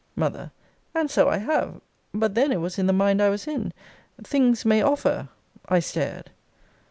M. And so I have. But then it was in the mind I was in. Things may offer I stared.